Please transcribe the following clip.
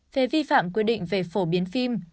về vi phạm quy định về phổ biến phim